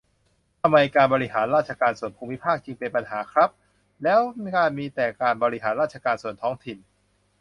ทำไม การบริหารราชการส่วนภูมิภาค ถึงเป็นปัญหาครับ ? แล้วการมีแต่การบริหารราชการส่วนท้องถิ่น